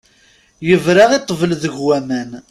Yebra i ṭṭbel deg waman.